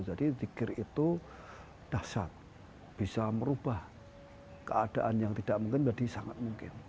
jadi zikir itu dasar bisa merubah keadaan yang tidak mungkin jadi sangat mungkin